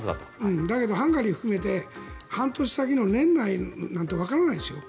だけどハンガリーを含めて半年先の年内なんてわからないですよ。